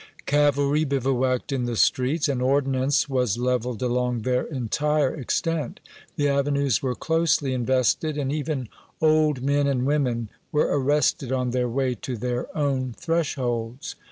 Cavalry bivouacked in the streets, and ordnance was leveled along their entire extent. The avenues were closely invested, and even old men and women were arrested on their way to their own thresholds.